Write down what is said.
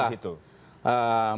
ada sulit di situ